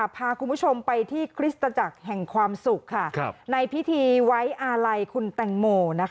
พาคุณผู้ชมไปที่คริสตจักรแห่งความสุขในพิธีไว้อาลัยคุณแตงโม